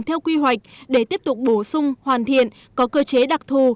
theo quy hoạch để tiếp tục bổ sung hoàn thiện có cơ chế đặc thù